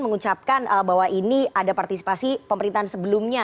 mengucapkan bahwa ini ada partisipasi pemerintahan sebelumnya